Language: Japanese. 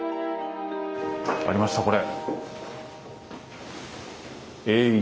ありましたこれ。